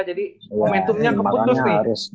jadi momentumnya keputus nih